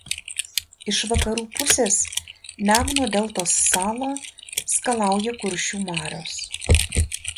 Iš vakarų pusės Nemuno deltos salą skalauja Kuršių marios.